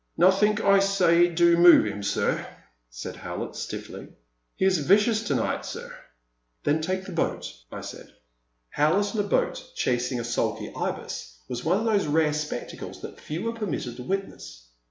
*'Nothink I say do move 'im, sir!" said Howlett, stiffly ;he is vicious to night, sir." Then take the boat," I said. Howlett in a boat chasing a sulky Ibis was The Silent Land. 105 one of those rare spectacles that few are permitted to witness.